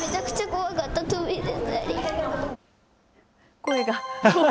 声が。